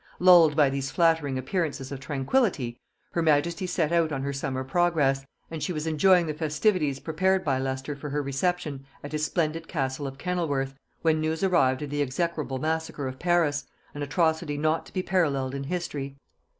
Lulled by these flattering appearances of tranquillity, her majesty set out on her summer progress, and she was enjoying the festivities prepared by Leicester for her reception at his splendid castle of Kennelworth, when news arrived of the execrable massacre of Paris; an atrocity not to be paralleled in history!